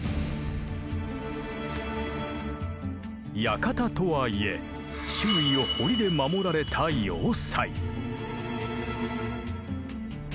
「館」とはいえ周囲を堀で守られた要塞。